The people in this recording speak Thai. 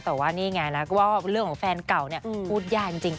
แต่ว่านี่ไงล่ะคือว่าเรื่องของแฟนเก่าพูดย้ายจริง